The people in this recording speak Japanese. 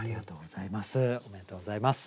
ありがとうございます。